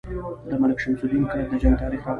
د ملک شمس الدین کرت د جنګ تاریخ راغلی.